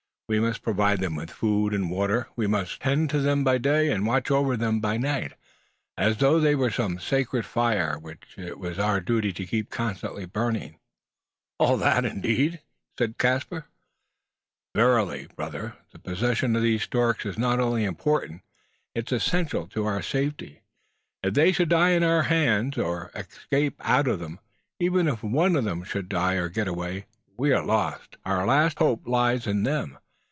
We must provide them with food and water; we must tend them by day, and watch over them by night as though they were some sacred fire, which it was our duty to keep constantly burning." "All that, indeed!" "Verily, brother! The possession of these storks is not only important it is essential to our safety. If they should die in our hands, or escape out of them even if one of them should die or get away we are lost. Our last hope lies in them.